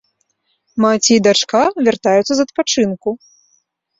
Маці і дачка вяртаюцца з адпачынку.